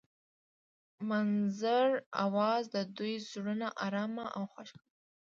د منظر اواز د دوی زړونه ارامه او خوښ کړل.